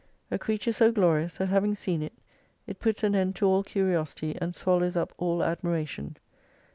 A creature so glorious, that having seen it, it puts an end to all curiosity and swallows up all admiration.